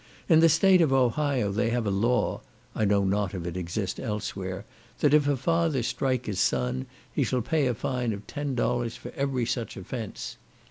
In the state of Ohio they have a law (I know not if it exist elsewhere), that if a father strike his son, he shall pay a fine of ten dollars for every such offence.